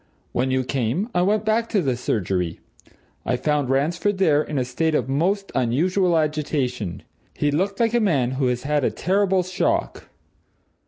When you came, I went back to the surgery I found Ransford there in a state of most unusual agitation he looked like a man who has had a terrible shock.